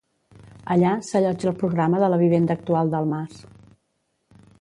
Allà, s'allotja el programa de la vivenda actual del mas.